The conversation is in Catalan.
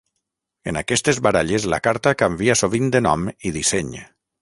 En aquestes baralles la carta canvia sovint de nom i disseny.